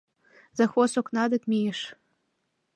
Завхоз окна дек мийыш.